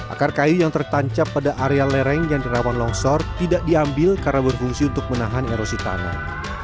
akar kayu yang tertancap pada area lereng yang dirawan longsor tidak diambil karena berfungsi untuk menahan erosi tanah